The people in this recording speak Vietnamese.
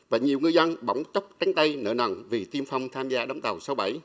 và nhiều ngư dân bỏng chốc tránh tay nợ nần vì tiêm phong tham gia đóng tàu sáu mươi bảy